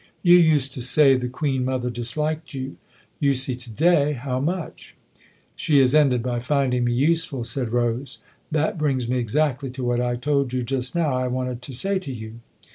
You used to say the queen mother disliked you. You see to day how much !"" She has ended by finding me useful," said Rose. " That brings me exactly to what I told you just now I wanted to say to you."